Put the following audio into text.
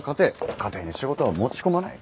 家庭に仕事は持ち込まない。